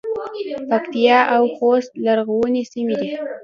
پکتیا او خوست لرغونې سیمې دي